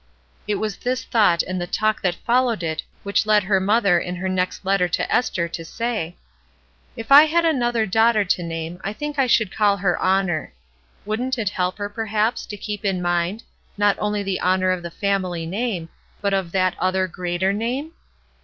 It was this thought and the talk that followed it which led her mother in her next letter to Esther to say: — "If I had another daughter to name, I think I should call her ' Honor.' Wouldn't it help her, perhaps, to keep in mind, not only the honor of the family name, but of that other greater Name?